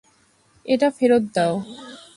এটা ফেরত দাও!